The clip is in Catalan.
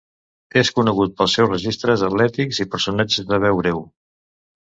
És conegut pels seus registres atlètics i personatges de veu greu.